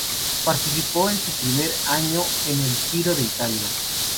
Participó en su primer año en el Giro de Italia.